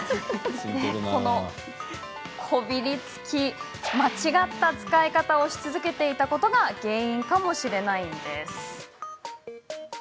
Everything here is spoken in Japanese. このこびりつき間違った使い方をし続けたことが原因かもしれないんです。